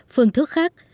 phương thức khác